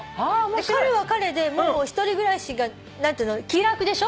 彼は彼でもう１人暮らしが気楽でしょ。